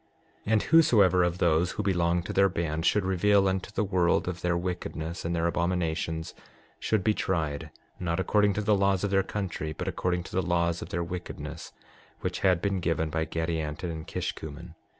6:24 And whosoever of those who belonged to their band should reveal unto the world of their wickedness and their abominations, should be tried, not according to the laws of their country, but according to the laws of their wickedness, which had been given by Gadianton and Kishkumen.